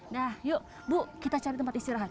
nah yuk bu kita cari tempat istirahat